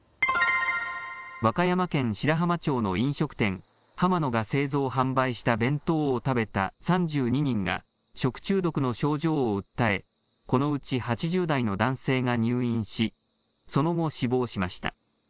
和歌山県白浜町の飲食店、はま乃が製造・販売した弁当を食べた３２人が食中毒の症状を訴え、このうち８０代の男性が入院し、その後死亡しました。